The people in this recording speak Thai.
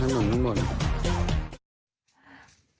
หาขนาฬินเหมือนกับเฮอร์